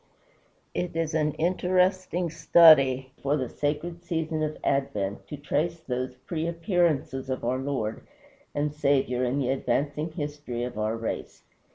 It is an interesting study for the sacred season of Advent to trace those pre appearances of our Lord and Saviour in the advancing history of our race.